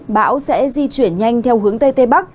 bão sẽ di chuyển nhanh theo hướng tây tây bắc